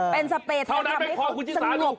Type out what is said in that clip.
เป็นสเปรดทำให้คนสงบ